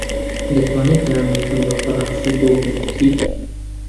دەتوانیت نامەیەکم بە فەڕەنسی بۆ بنووسیت؟